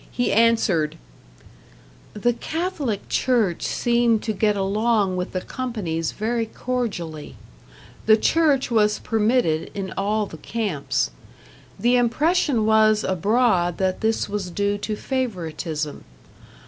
He answered: The Catholic Church seemed to get along with the companies very cordially. The Church was permitted in all the camps. The impression was abroad that this was due to favoritism.